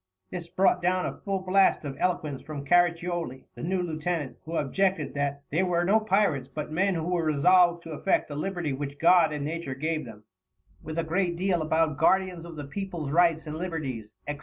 This brought down a full blast of eloquence from Caraccioli, the new lieutenant, who objected that "they were no pirates, but men who were resolved to affect the Liberty which God and Nature gave them," with a great deal about "guardians of the Peoples Rights and Liberties," etc.